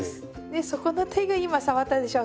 でそこの手が今触ったでしょう。